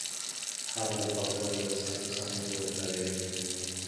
هغه د پاکوالي وسایل په سمه توګه کاروي.